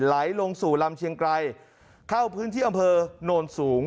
ไหลลงสู่ลำเชียงไกรเข้าพื้นที่อำเภอโนนสูง